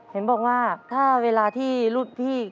เห็นบอกว่าถ้าเวลาที่รุ่นพี่